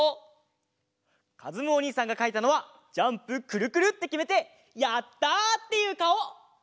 かずむおにいさんがかいたのはジャンプくるくるってきめてやったっていうかお！